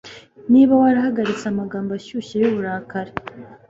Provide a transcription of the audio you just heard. niba warahagaritse amagambo ashyushye yuburakari